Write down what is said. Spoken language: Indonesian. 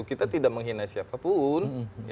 kita tidak menghina siapapun